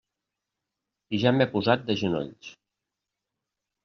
I ja m'he posat de genolls.